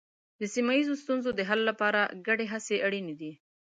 د سیمه ییزو ستونزو د حل لپاره ګډې هڅې اړینې دي.